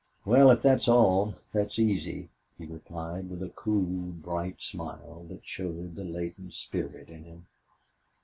"Well, if that's all, that's easy," he replied, with a cool, bright smile which showed the latent spirit in him.